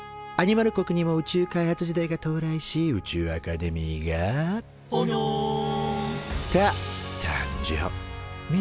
アニマル国にも宇宙開発時代が到来し宇宙アカデミーが「ぽにょん」と誕生。